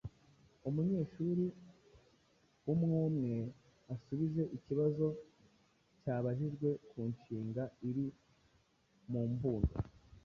Umunyeshuri umwumwe asubize ikibazo cyabajijwe ku nshinga iri mu mbundo,